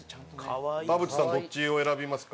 田渕さんどっちを選びますか？